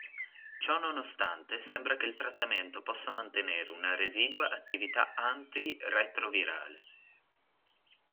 Ciò nonostante sembra che il trattamento possa mantenere una residua attività anti-retrovirale.